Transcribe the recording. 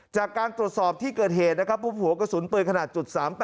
จากการตรวจสอบที่เกิดเหตุนะครับพบหัวกระสุนปืนขนาด๓๘